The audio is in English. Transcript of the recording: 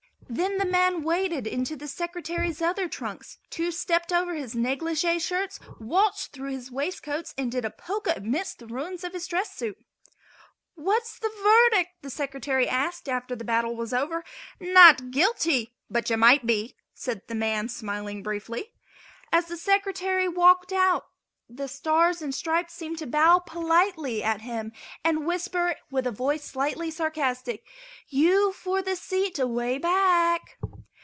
Then the man waded into the Secretary's other trunks, two stepped over his negligee shirts, waltzed through his waist coats and did a polka amidst the ruins of his dress suit. "What is the verdict?" said the Secretary after the battle was over. "Not guilty, but you might be," said the man, smiling briefly. As the Secretary walked out the Stars and Stripes seemed to bow politely at him and whisper with a voice slightly sarcastic: "You for the seat away back!"